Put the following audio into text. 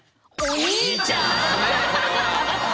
お兄ちゃん。